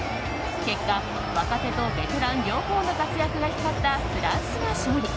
結果、若手とベテラン両方の活躍が光ったフランスが勝利。